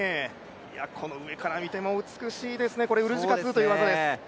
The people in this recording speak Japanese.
この上から見ても美しいですね、ウルジカ２という技です。